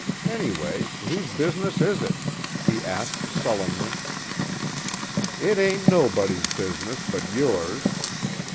Anyway, whose business is it?" he asked sullenly. "It ain't nobody's business, but yours.